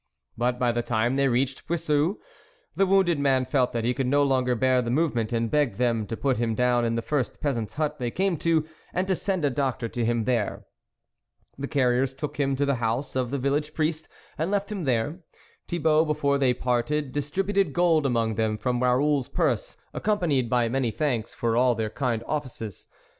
But by the time they reached Puiseux, the wounded man felt that he could no longer bear the movement, and begged them to put him down in the first peasant's hut they came to, and to send a doctor to him there. The carriers took him to the house of the village priest, and left him there, Thibault before they parted, dis tributing gold among them from Raoul's purse, accompanied by many thanks for all their kind offices.